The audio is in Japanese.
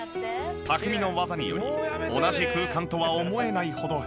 匠の技により同じ空間とは思えないほど変貌。